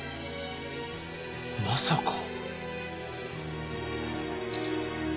まさか。